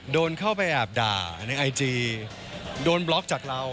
โดนเข้าไปแอบด่าในไอจีโดนบล็อกจากเรา